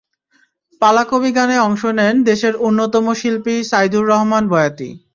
পালা কবি গানে অংশ নেন দেশের অন্যতম শিল্পী সাইদুর রহমান বয়াতি।